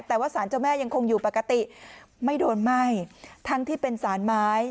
แต่ว่าสารเจ้าแม่ยังคงอยู่ปกติไม่โดนไหม้ทั้งที่เป็นสารไม้